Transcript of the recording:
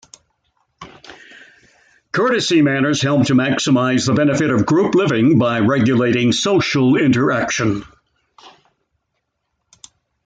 Courtesy manners help to maximize the benefits of group living by regulating social interaction.